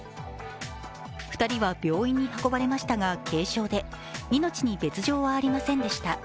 ２人は病院に運ばれましたが軽傷で命に別状はありませんでした。